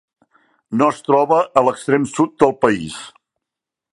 No es troba a l'extrem sud del país.